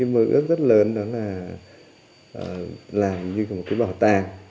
mơ ước rất lớn đó là làm như một cái bảo tàng